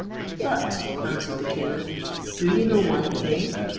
"But," answered the caliph, "do you know one thing?